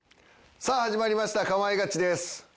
さあ始まりました『かまいガチ』です。